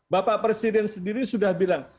bapak presiden sendiri sudah bilang